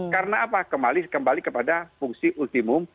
karena apa kembali kepada fungsi ultimum